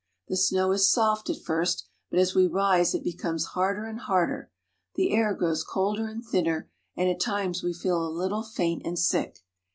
The snow is soft at first, but as we rise it becomes harder and harder. The air grows colder and thinner, and at times we feel a little faint and sick.